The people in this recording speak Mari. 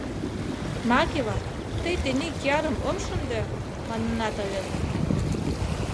— Макева, тый тений киярым ом шынде манынат ыльыс!